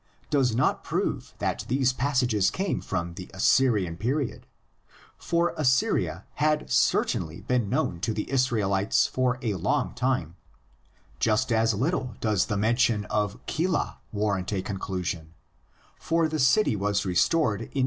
does not prove that these passages come from the "Assyrian" period, for Assyria had certainly been known to the Israelites for a long time; just as little does the mention of Kelah warrant a conclusion, for the THE LA TER COLLECTIONS.